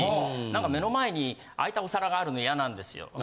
何か目の前に空いたお皿があるの嫌なんですよ。